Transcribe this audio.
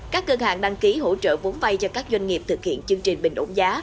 các cơ hạng đăng ký hỗ trợ vốn vay cho các doanh nghiệp thực hiện chương trình bình ổn giá